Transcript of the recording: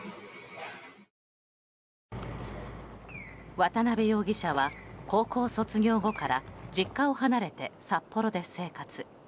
渡邉容疑者は高校卒業後から実家を離れて札幌で生活。